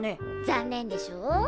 残念でしょう？